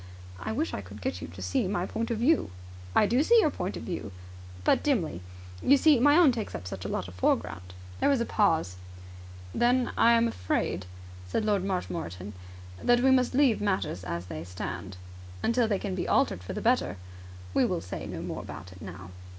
"I wish I could get you to see my point of view." "I do see your point of view. But dimly. You see, my own takes up such a lot of the foreground." There was a pause. "Then I am afraid," said Lord Marshmoreton, "that we must leave matters as they stand." "Until they can be altered for the better." "We will say no more about it now."